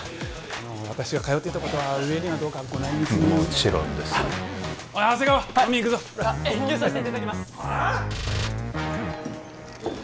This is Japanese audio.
あの私が通っていたことは上にはどうかご内密にもちろんですおい長谷川飲み行くぞ遠慮させていただきますはあ？